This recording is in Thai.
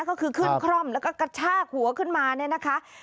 ก็คือขึ้นคร่อมแล้วก็กระชากหัวขึ้นมาเนี่ยนะคะ